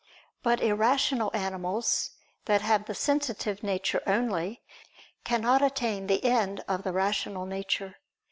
But irrational animals that have the sensitive nature only, cannot attain the end of the rational nature.